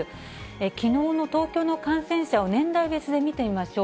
きのうの東京の感染者を年代別で見てみましょう。